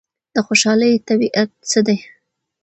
د خوشحالۍ طبیعت څه دی؟